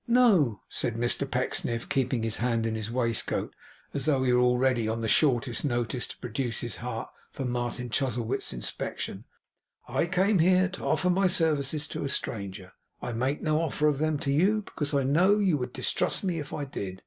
'No,' said Mr Pecksniff, keeping his hand in his waistcoat as though he were ready, on the shortest notice, to produce his heart for Martin Chuzzlewit's inspection, 'I came here to offer my services to a stranger. I make no offer of them to you, because I know you would distrust me if I did.